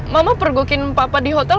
mama pergokin papa di hotel